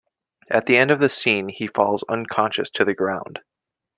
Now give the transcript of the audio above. At the end of the scene he falls unconscious to the ground.